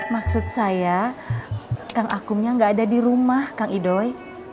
maksud saya kangakum ga ada dirumah kang idhoi